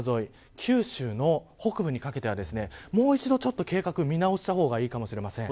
九州の北部にかけてはもう一度計画を見直した方がいいかもしれません。